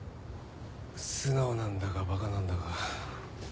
素直なんだかバカなんだか。